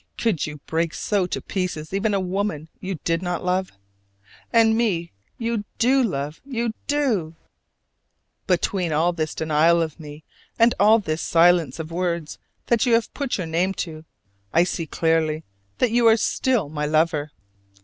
Could you break so to pieces even a woman you did not love? And me you do love, you do. Between all this denial of me, and all this silence of words that you have put your name to, I see clearly that you are still my lover.